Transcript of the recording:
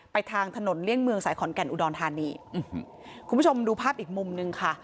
ทางถนนเลี่ยงเมืองสายขอนแก่นอุดรธานีคุณผู้ชมดูภาพอีกมุมหนึ่งค่ะ